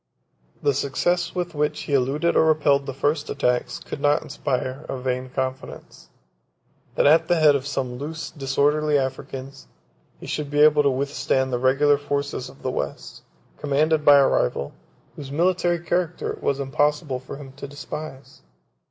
The success with which he eluded or repelled the first attacks, could not inspire a vain confidence, that at the head of some loose, disorderly Africans, he should be able to withstand the regular forces of the West, commanded by a rival, whose military character it was impossible for him to despise.